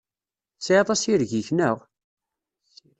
Tesɛiḍ assireg-ik, naɣ?